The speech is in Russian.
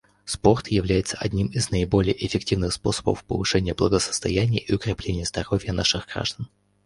Спорт является одним из наиболее эффективных способов повышения благосостояния и укрепления здоровья наших граждан.